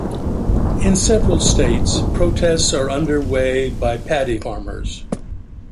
In several states, protests are underway by paddy farmers.